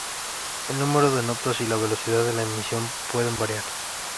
El número de notas y la velocidad de la emisión pueden variar.